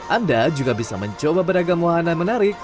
anda juga bisa mencoba beragam wahana menarik